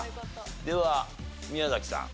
では宮崎さん。